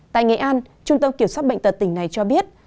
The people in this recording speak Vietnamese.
tại nghệ an trung tâm kiểm soát bệnh tật tỉnh này cho biết